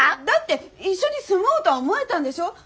だって一緒に住もうとは思えたんでしょ？